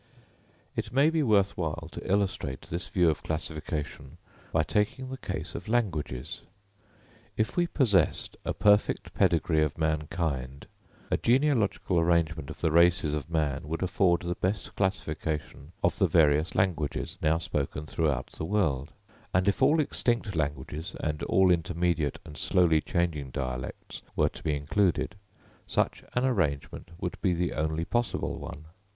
It may be worth while to illustrate this view of classification, by taking the case of languages. If we possessed a perfect pedigree of mankind, a genealogical arrangement of the races of man would afford the best classification of the various languages now spoken throughout the world; and if all extinct languages, and all intermediate and slowly changing dialects, were to be included, such an arrangement would be the only possible one.